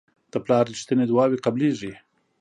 د پلار رښتیني دعاوې قبلیږي.